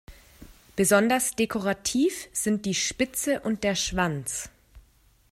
Besonders dekorativ sind die Spitze und der Schwanz.